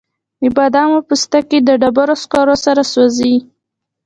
د بادامو پوستکي د ډبرو سکرو سره سوځي؟